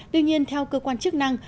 tuy nhiên theo cơ quan chức năng